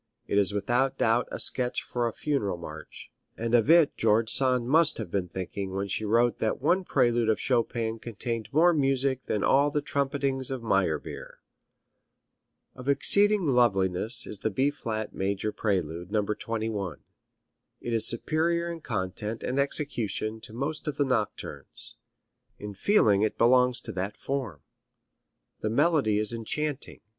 It is without doubt a sketch for a funeral march, and of it George Sand must have been thinking when she wrote that one prelude of Chopin contained more music than all the trumpetings of Meyerbeer. Of exceeding loveliness is the B flat major prelude, No. 21. It is superior in content and execution to most of the nocturnes. In feeling it belongs to that form. The melody is enchanting.